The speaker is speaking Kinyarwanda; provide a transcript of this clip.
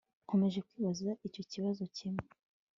Nkomeje kwibaza icyo kibazo kimwe